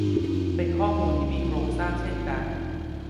เป็นข้อมูลที่มีโครงสร้างเช่นกัน